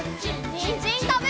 にんじんたべるよ！